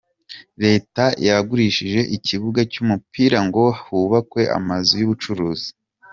Leta yagurishije ikibuga cy’umupira ngo hubakwe amazu y’ubucuruzi